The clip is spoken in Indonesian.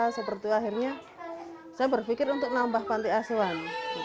seperti akhirnya saya berpikir untuk nambah panti asuhan